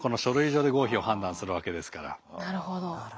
なるほど。